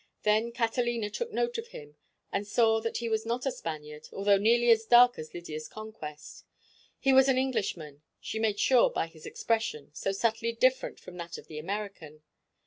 Then Catalina took note of him and saw that he was not a Spaniard, although nearly as dark as Lydia's conquest. He was an Englishman, she made sure by his expression, so subtly different from that of the American.